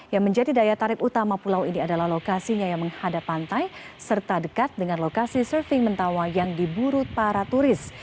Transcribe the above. yang menjadi daya tarik utama pulau ini adalah lokasinya yang menghadap pantai serta dekat dengan lokasi surfing mentawa yang diburu para turis